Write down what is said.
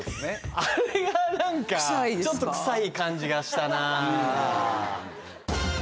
あれが何かちょっとくさい感じがしたな。